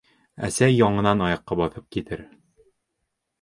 Әсәй яңынан аяҡҡа баҫып китер.